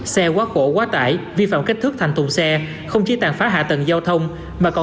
xe quá khổ quá tải vi phạm kích thước thành tùng xe không chỉ tàn phá hạ tầng giao thông mà còn